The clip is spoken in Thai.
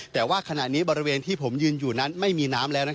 แต่ว่าขณะนี้บริเวณที่ผมยืนอยู่นั้นไม่มีน้ำแล้ว